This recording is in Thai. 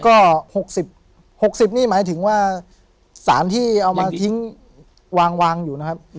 ก็๖๐๖๐นี่หมายถึงว่าสารที่เอามาทิ้งวางอยู่นะครับ